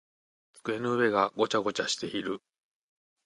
机の上がごちゃごちゃしている。